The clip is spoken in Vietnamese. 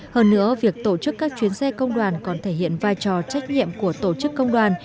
hơn nữa việc tổ chức các chuyến xe công đoàn còn thể hiện vai trò trách nhiệm của tổ chức công đoàn